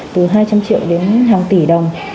từ hai trăm linh triệu đến hàng tỷ đồng